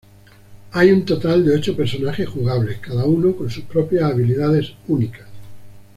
Hay un total de ocho personajes jugables, cada uno con sus propias habilidades únicas.